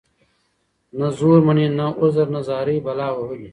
نه زور مــني نه عـذر نـه زارۍ بلا وهـلې.